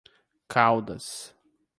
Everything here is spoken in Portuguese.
Caldas